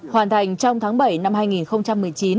hoàn thành trong tháng bảy năm hai nghìn một mươi chín